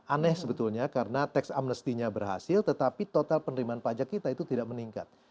aneh sebetulnya karena tax amnesty nya berhasil tetapi total penerimaan pajak kita itu tidak meningkat